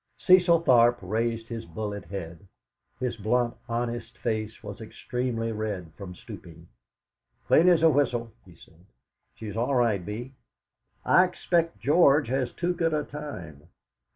Cecil Tharp raised his bullet head; his blunt, honest face was extremely red from stooping. "Clean as a whistle," he said; "she's all right, Bee. I expect George has too good a time."